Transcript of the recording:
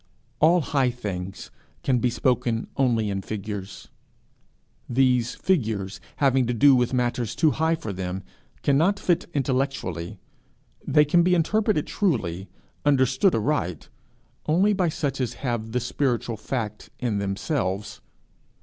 All high things can be spoken only in figures; these figures, having to do with matters too high for them, cannot fit intellectually; they can be interpreted truly, understood aright, only by such as have the spiritual fact in themselves.